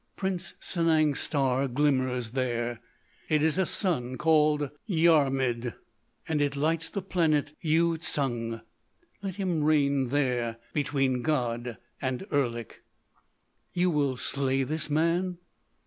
"Prince Sanang's star glimmers there. It is a sun, called Yramid. And it lights the planet, Yu tsung. Let him reign there between God and Erlik." "You will slay this man?"